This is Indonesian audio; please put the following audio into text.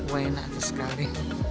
wah enak sekali